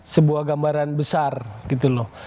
sebuah gambaran besar gitu loh